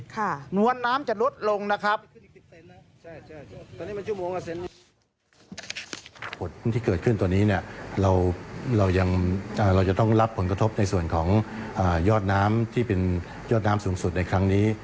นวลน้ำจะลดลงนะครับ